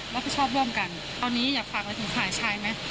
รับผิดชอบร่วมกันตอนนี้อยากฝากอะไรถึงฝ่ายชายไหม